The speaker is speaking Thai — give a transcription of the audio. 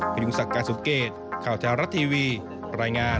พยุงศักดิ์การสมเกตข่าวแท้รัฐทีวีรายงาน